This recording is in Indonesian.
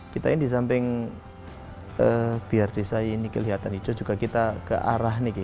kita ini di samping biar desa ini kelihatan hijau juga kita ke arah nih